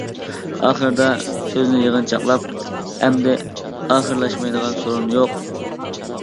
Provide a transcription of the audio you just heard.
ئاخىرىدا سۆزىنى يىغىنچاقلاپ:-ئەمدى، ئاخىرلاشمايدىغان سورۇن يوق.